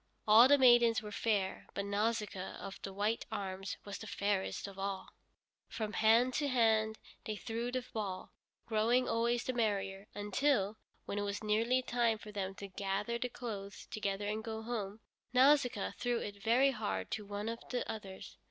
All the maidens were fair, but Nausicaa of the white arms was the fairest of all. From hand to hand they threw the ball, growing always the merrier, until, when it was nearly time for them to gather the clothes together and go home, Nausicaa threw it very hard to one of the others.